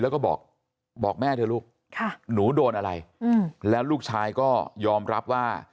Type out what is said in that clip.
แล้วก็บอกบอกแม่เถอะลูกหนูโดนอะไรแล้วลูกชายก็ยอมรับว่า